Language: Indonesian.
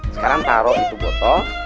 sekarang taro di botol